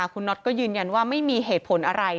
คุณน็อตก็ยืนยันว่าไม่มีเหตุผลอะไร